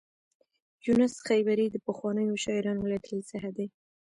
یونس خیبري د پخوانیو شاعرانو له ډلې څخه دی.